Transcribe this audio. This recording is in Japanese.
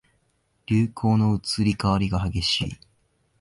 流行の移り変わりが激しい